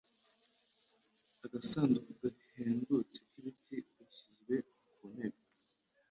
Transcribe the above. Agasanduku gahendutse k'ibiti gashyizwe ku ntebe.